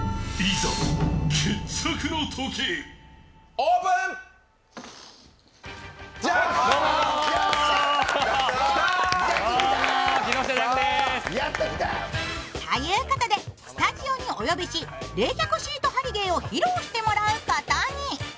オープン！ということでスタジオにお呼びし、冷却シート貼り芸を披露していただくことに。